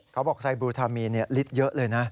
เขาบอกไซบลูทามีนฤทธิ์เยอะเลยนะ